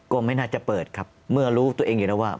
ก็ไม่น่าจะเปิดครับเมื่อรู้ตัวเองอยู่แล้วว่า